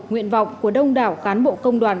nguyện vọng của đông đảo cán bộ công đoàn